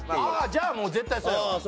じゃあもう絶対そうやわ。